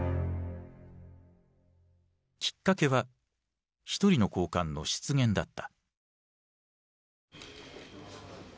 きっかけは一人の高官の失言だった。